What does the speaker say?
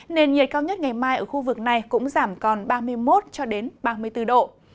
nền nhiệt cao nhất ngày mai ở khu vực này cũng giảm còn ba mươi một cho đến ba mươi bốn độ